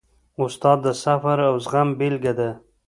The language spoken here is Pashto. استاد د صبر او زغم بېلګه ده.